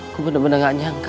aku bener bener gak nyangka